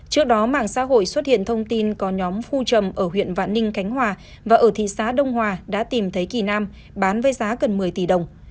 trước đó mạng xã hội xuất hiện thông tin có nhóm phu trầm ở huyện vạn ninh cánh hòa và ở thị xã đông hòa đã tìm thấy kỳ nam bán với giá gần một mươi tỷ đồng